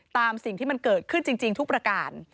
ตามสิ่งที่มันเกิดขึ้นจริงทุกประการ